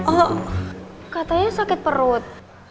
oh katanya sakit perut